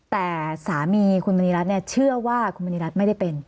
แต่สามีคุณมณีรัฐเนี่ยเชื่อว่าคุณมณีรัฐไม่ได้เป็น